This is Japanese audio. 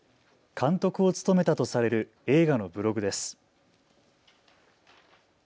監督を務めたとされる映画のブログです。